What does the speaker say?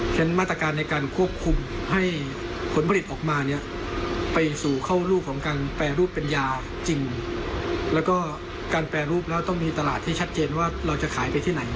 ฉะนั้นมาตรการในการควบคุมให้ผลผลิตออกมาเนี่ย